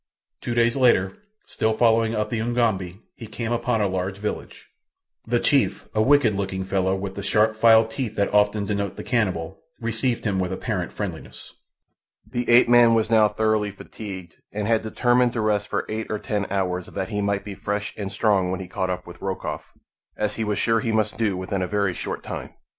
Two days later, still following up the Ugambi, he came upon a large village. The chief, a wicked looking fellow with the sharp filed teeth that often denote the cannibal, received him with apparent friendliness. The ape man was now thoroughly fatigued, and had determined to rest for eight or ten hours that he might be fresh and strong when he caught up with Rokoff, as he was sure he must do within a very short time.